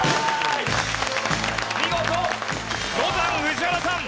見事ロザン宇治原さん